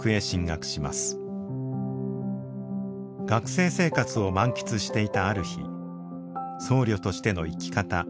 学生生活を満喫していたある日僧侶としての生き方